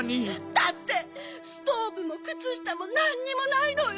だってストーブもくつしたもなんにもないのよ！